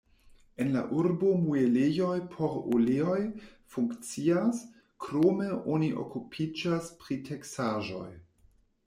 En la urbo muelejoj por oleoj funkcias, krome oni okupiĝas pri teksaĵoj.